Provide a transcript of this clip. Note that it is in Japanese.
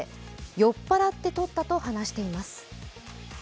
酔っ払って撮ったと話しています。